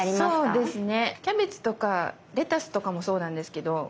そうですね。